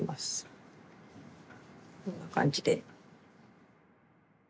こんな感じで。